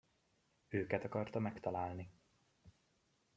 Őket akarta megtalálni.